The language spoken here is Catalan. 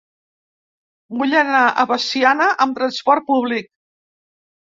Vull anar a Veciana amb trasport públic.